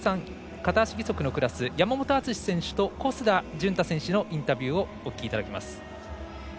片足義足のクラス山本篤選手と小須田潤太選手のインタビューをお聞きいただきます。